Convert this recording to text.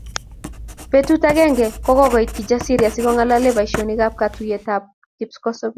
Betut agenge kokiit Kijasiri asikongalale boisionikab katuiyetab kipkosobei